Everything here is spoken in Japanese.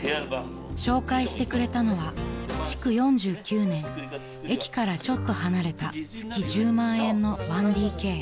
［紹介してくれたのは築４９年駅からちょっと離れた月１０万円の１ＤＫ］